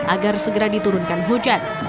agar segera diturunkan hujan